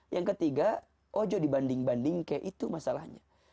yang ketiga ojo dibanding banding kayak itu masalahnya